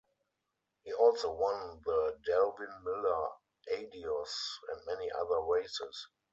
He also won the Delvin Miller Adios and many other races.